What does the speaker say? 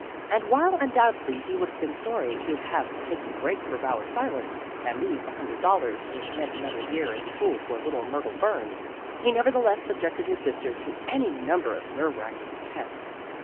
And while un doubtedly he would have been sorry to have Peggy break her vow of silence, and lose the hundred dollars which meant another year in school for little Myrtle Burns, he nevertheless subjected his sister to any number of nerve racking tests.